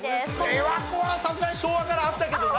エアコンはさすがに昭和からあったけどな。